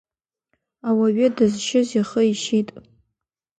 Ауаҩы дызшьыз ихы ишьит.